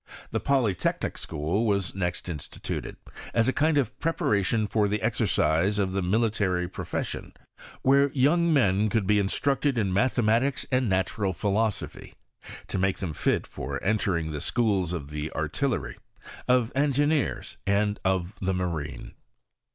The Polytechnic School was next instituted, as a kind of preparation for the exercise of the military profession, where youT^ men could be instructed in mathematics and natural philosophy, to make them fit for entering PROGRESS OF ^HEMHrTRY IK FRANCE. 17l the schools of the artillery, of engineers, and of the marine.